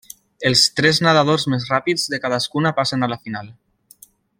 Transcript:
Els tres nedadors més ràpids de cadascuna passen a la final.